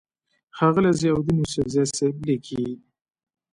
ښاغلے ضياءالدين يوسفزۍ صېب ليکي: